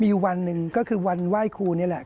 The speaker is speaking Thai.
มีอยู่วันหนึ่งก็คือวันไหว้ครูนี่แหละ